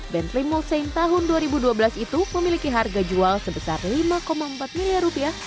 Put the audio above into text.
bentley molsein tahun dua ribu dua belas itu memiliki harga jual sebesar lima empat miliar rupiah